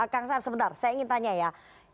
kang sar sebentar saya ingin tanya ya